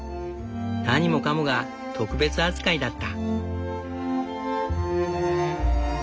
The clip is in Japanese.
何もかもが特別扱いだった。